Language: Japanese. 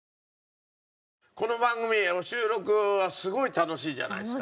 この番組収録はすごい楽しいじゃないですか。